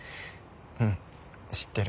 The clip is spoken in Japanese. うん知ってる。